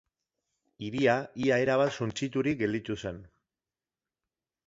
Hiria ia erabat suntsiturik gelditu zen.